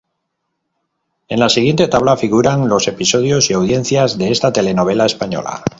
En la siguiente tabla figuran los episodios y audiencias de esta telenovela española.